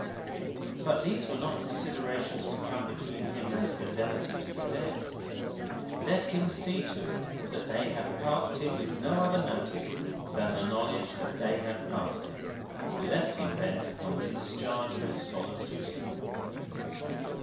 But these were not considerations to come between him and fidelity to the dead. Let him see to it that they passed him with no other notice than the knowledge that they had passed him, and left him bent on the discharge of a solemn duty.